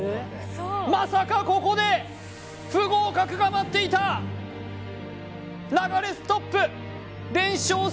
まさかここで不合格が待っていた流れストップ連勝